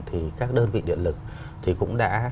thì các đơn vị điện lực thì cũng đã